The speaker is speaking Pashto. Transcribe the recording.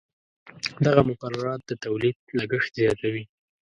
دغه مقررات د تولید لګښت زیاتوي.